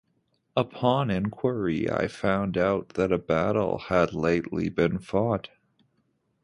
Upon inquiry, I found out that a battle had lately been fought.